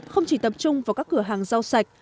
không chỉ tập trung vào các cửa hàng rau sạch